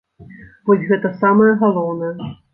Вось гэта самае галоўнае.